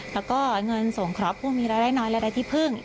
แล้วก็เงินสงเคราะห์ผู้มีรายได้น้อยและไร้ที่พึ่ง